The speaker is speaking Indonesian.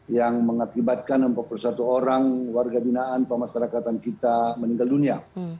yang mengakibatkan empat puluh satu orang warga binaan pemasarakatan kita meninggal dunia